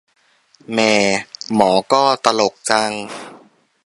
แหม่ หมอก็ ตลกจัง